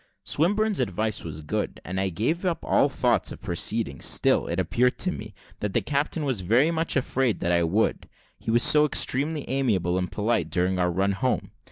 Swinburne's advice was good, and I gave up all thoughts of proceeding; still, it appeared to me, that the captain was very much afraid that I would, he was so extremely amiable and polite during our run home.